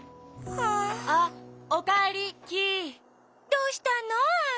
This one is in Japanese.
どうしたの？アオ。